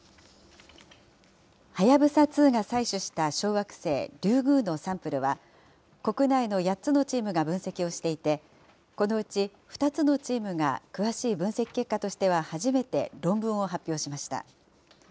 はやぶさ２が採取した小惑星リュウグウのサンプルは、国内の８つのチームが分析をしていて、このうち２つのチームが詳しい分析結果としては初めて論文を発表しました。